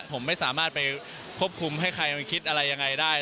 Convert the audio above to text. ผมไม่สามารถไปควบคุมให้ใครคิดอะไรยังไงได้